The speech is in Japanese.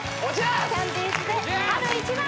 キャンディーズで「春一番」